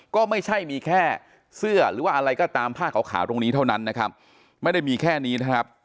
ก็ไม่ใช่มีแค่เสื้อหรือว่าอะไรก็ตามผ้าขาวตรงนี้เท่านั้นนะครับไม่ได้มีแค่นี้นะครับ